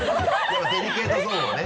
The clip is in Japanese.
デリケートゾーンはね。